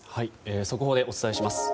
速報でお伝えします。